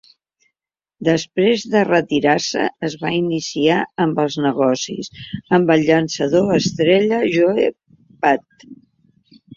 Després de retirar-se, es va iniciar en els negocis amb el llançador estrella Joe Pate.